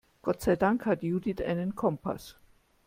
Gott sei Dank hat Judith einen Kompass.